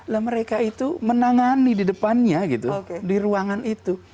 lah mereka itu menangani di depannya gitu di ruangan itu